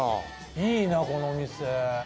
いいなあこの店。